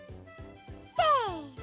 せの。